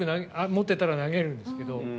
持ってたら投げるんですけど。